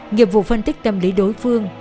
nhiệm vụ phân tích tâm lý đối phương